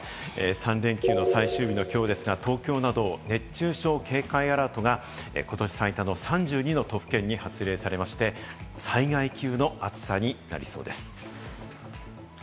３連休の最終日のきょうですが、東京など熱中症警戒アラートが今年最多の３２の都府県に発令されまして、災害級の暑さになりそうです。